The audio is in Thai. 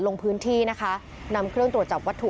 ลงพื้นที่นะคะนำเครื่องตรวจจับวัตถุ